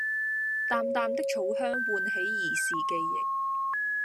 淡淡的草香喚起兒時記憶